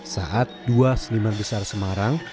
saat dua seniman besar semarang